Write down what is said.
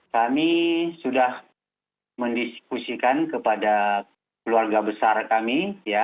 kami sudah mendiskusikan kepada keluarga besar kami